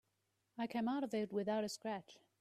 I came out of it without a scratch.